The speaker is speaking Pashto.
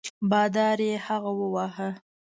بادار یې هغه وواهه.